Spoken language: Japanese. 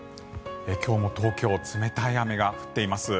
今日も東京冷たい雨が降っています。